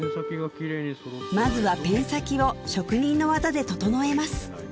まずはペン先を職人の技で整えます